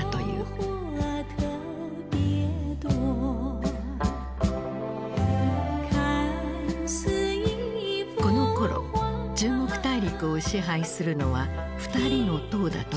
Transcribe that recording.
このころ中国大陸を支配するのは２人の「」だと言われた。